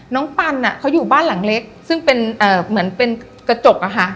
น้องปันอะเขาอยู่บ้านหลังเล็กซึ่งเป็นเอ่อเหมือนเป็นกระจกอะฮะ